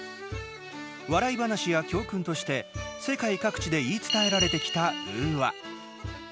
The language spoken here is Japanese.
笑い話や教訓として世界各地で言い伝えられてきた寓話。